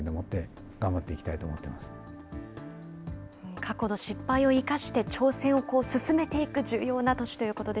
過去の失敗を生かして挑戦を進めていく重要な年ということで